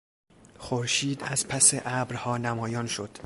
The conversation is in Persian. خورشید از پس ابرها نمایان شد.